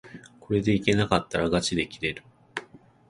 これでいけなかったらがちで切れる